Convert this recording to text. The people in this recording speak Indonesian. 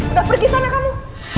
udah pergi sana kamu